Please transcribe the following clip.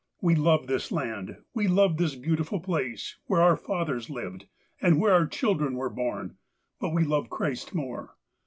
We love this laud. We love this beautiful place, where our fathers lived, and where our children were born ; but we love Christ more.